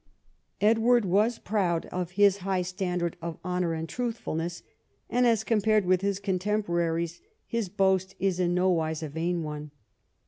Edward was proud of his high standard of honour and truthfulness, and as compared with his contemporaries, his boast is in no wise a vain one.